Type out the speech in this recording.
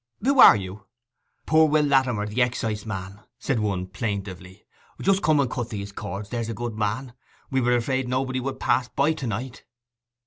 'Who are you?' 'Poor Will Latimer the exciseman!' said one plaintively. 'Just come and cut these cords, there's a good man. We were afraid nobody would pass by to night.